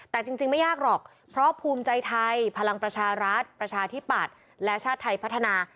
แต่จริงไม่ยากหรอกเพราะภูมิใจไทยพลังประชารัฐประชาธิปัตย์และชาติไทยพัฒนา